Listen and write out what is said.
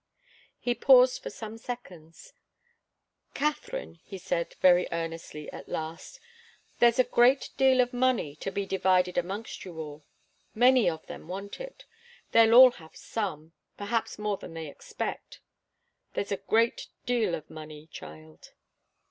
He paused for some seconds. "Katharine," he said, very earnestly, at last, "there's a great deal of money to be divided amongst you all. Many of them want it. They'll all have some perhaps more than they expect. There's a great deal of money, child."